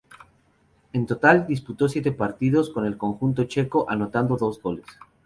En total, disputó siete partidos con el conjunto checo, anotando dos goles.